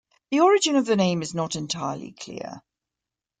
The origin of the name is not entirely clear.